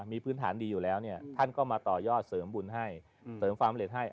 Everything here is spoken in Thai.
มีพื้นฐานดีอยู่แล้วเนี่ยท่านก็มาต่อยอดเสริมบุญให้เสริมความสำเร็จให้